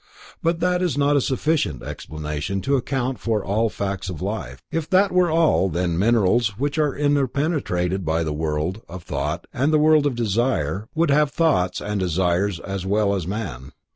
But that is not a sufficient explanation to account for all facts of life. If that were all, then minerals, which are interpenetrated by the world of thought and the world of desire, would have thoughts and desires as well as man.